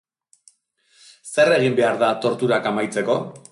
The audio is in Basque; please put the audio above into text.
Zer egin behar da torturak amaitzeko?